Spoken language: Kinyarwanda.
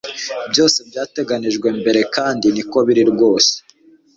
Byose byateganijwe mbere kandi niko biri rwose